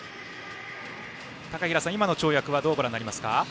高平さん、今の跳躍はどうご覧になりますか？